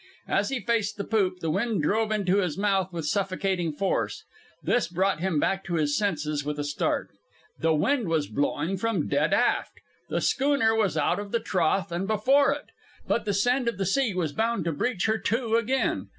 As he faced the poop, the wind drove into his mouth with suffocating force. This brought him back to his senses with a start. The wind was blowing from dead aft! The schooner was out of the trough and before it! But the send of the sea was bound to breach her to again.